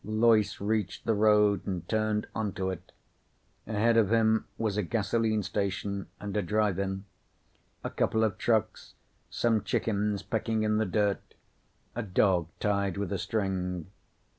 Loyce reached the road and turned onto it. Ahead of him was a gasoline station and a drive in. A couple of trucks, some chickens pecking in the dirt, a dog tied with a string.